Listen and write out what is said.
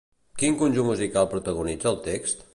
Quin conjunt musical protagonitza el text?